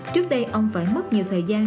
trước đây ông phải mất nhiều thời gian